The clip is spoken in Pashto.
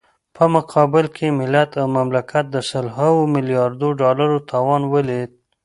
په مقابل کې يې ملت او مملکت د سلهاوو ملیاردو ډالرو تاوان وليد.